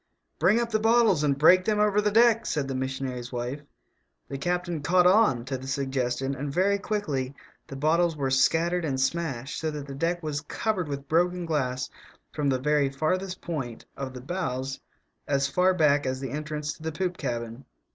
" Bring up the bottles and break them over the deck," said the missionary's wife. The captain "caught on" to the suggestion, and very quickly the bottles were scattered and smashed, so that the deck was covered with broken glass from the very farthest point of the bows as far back as the entrance to the poop cabin.